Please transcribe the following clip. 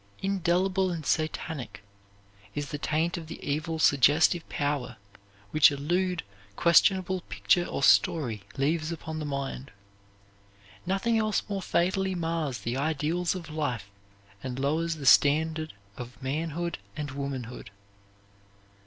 Indelible and satanic is the taint of the evil suggestive power which a lewd, questionable picture or story leaves upon the mind. Nothing else more fatally mars the ideals of life and lowers the standard of manhood and womanhood.